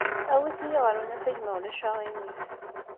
Awit-iyi ɣer unafag, ma ulac aɣilif.